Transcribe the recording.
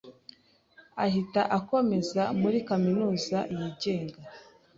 ahita akomeza muri Kaminuza yigenga